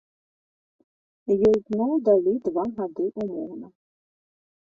Ёй зноў далі два гады ўмоўна.